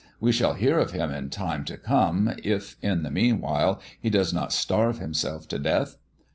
"We shall hear of him in time to come, if, in the meanwhile, he does not starve himself to death.